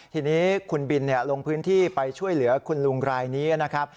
ทีนี้คุณบินลงพื้นที่ไปช่วยเหลือคุณลุงรายนี้นะครับ